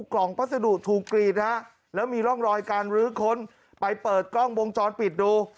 กล่องพัสดุถูกกรีดนะฮะแล้วมีร่องรอยการรื้อค้นไปเปิดกล้องวงจรปิดดู